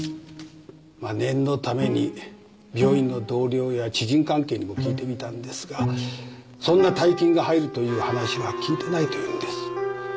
まっ念のために病院の同僚や知人関係にも聞いてみたんですがそんな大金が入るという話は聞いてないと言うんです。